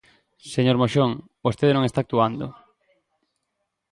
Señor Moxón, vostede non está actuando.